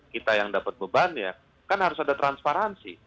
kita yang dapat bebannya kan harus ada transparansi